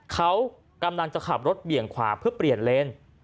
เขากำลังจะขับรถเบี่ยงขวาเพื่อเปลี่ยนเลน